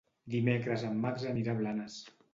Dimecres en Max anirà a Blanes.